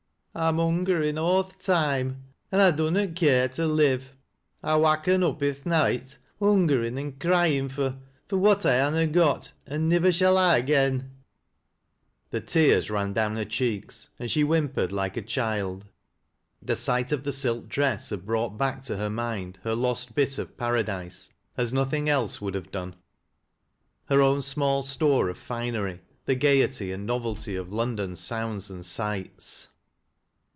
I'm hungerin' aw th' toime — an' I dunnot care to live ; I wakken up i' th' noight hungerin' an' cry in' fur — fur what I ha' not got, an' nivver shall ha' agen." The teai s ran down her cheeks and she whimpered like a child. The sight of the silk dress had brought back to her mind her lost bit of paradise as nothing else would have done — her own small store of finery, the gayety and novelty of London sounds and sights.